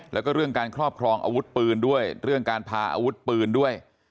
แล้วก็เรื่องการครอบครองอาวุธปืนด้วยเรื่องการพาอาวุธปืนด้วย